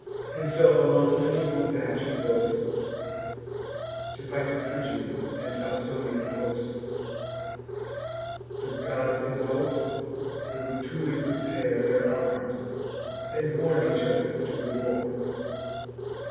Himself alone an equal match he boasts, To fight the Phrygian and Ausonian hosts. The gods invok'd, the Rutuli prepare Their arms, and warn each other to the war.